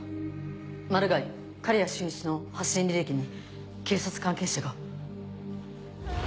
マルガイ刈谷俊一の発信履歴に警察関係者が。